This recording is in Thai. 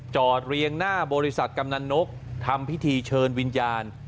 เรียงหน้าบริษัทกำนันนกทำพิธีเชิญวิญญาณ